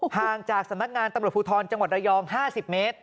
ห่างจากสมัครงานตำรวจภูทรจังหวัดระยองห้าสิบเมตร